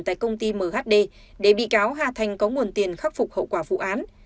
tại công ty mhd để bị cáo hà thành có nguồn tiền khắc phục hậu quả vụ án